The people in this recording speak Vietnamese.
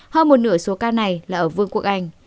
hơn một nửa số ca này là ở vương quốc anh